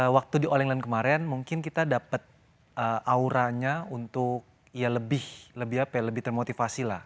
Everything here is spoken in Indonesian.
waktu di all england kemarin mungkin kita dapat auranya untuk ya lebih termotivasi lah